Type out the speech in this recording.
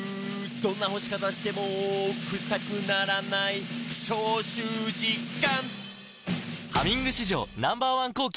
「どんな干し方してもクサくならない」「消臭実感！」